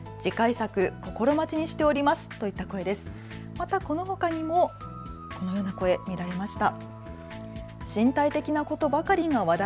またこのほかにもいろんな声、見られました。